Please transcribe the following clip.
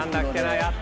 やった。